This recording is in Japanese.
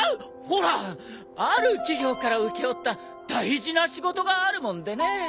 ほらある企業から請け負った大事な仕事があるもんでね。